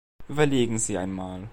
Überlegen Sie einmal.